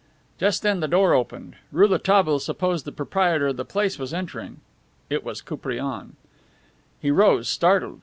Just then the door opened. Rouletabille supposed the proprietor of the place was entering. It was Koupriane. He rose, startled.